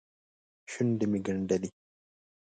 شونډې مې ګنډلې.